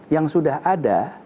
yang sudah ada